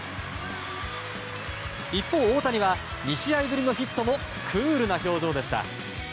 一方、大谷は２試合ぶりのヒットもクールな表情でした。